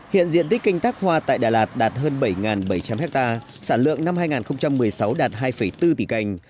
hiện diện tích canh tác hoa tại đà lạt đạt hơn bảy bảy trăm linh ha sản lượng năm hai nghìn một mươi sáu đạt hai bốn tỷ cành